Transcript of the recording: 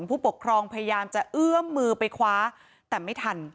ผู้ปกครองพยายามจะเอื้อมมือไปคว้าแต่ไม่ทัน